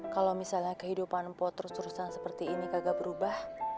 kalau misalnya kehidupan mpo terus terusan seperti ini kagak berubah